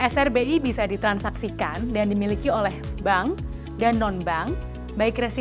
srbi bisa ditransaksikan dan dimiliki oleh bank dan non bank